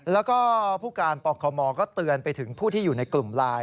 แล้วก็ผู้การปคมก็เตือนไปถึงผู้ที่อยู่ในกลุ่มไลน์